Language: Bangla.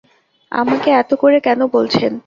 আমাকে এত করে কেন বলছেন?